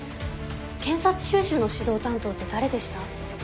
検察修習の指導担当って誰でした？